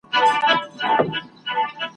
د شته من سړي د کور څنګ ته دباغ وو ,